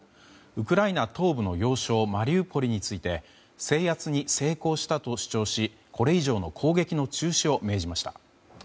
ウクライナ東部の要衝マリウポリについて制圧に成功したと主張しこれ以上の攻撃の中止を命じました。